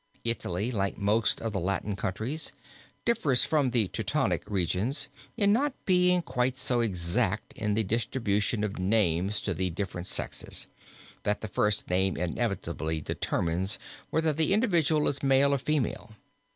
Italy, like most of the Latin countries, differs from the Teutonic regions in not being quite so exact in the distribution of names to the different sexes, that the first name inevitably determines whether the individual is male or female.